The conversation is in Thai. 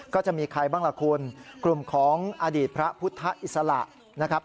ก็จะมีใครบ้างล่ะคุณกลุ่มของอดีตพระพุทธอิสระนะครับ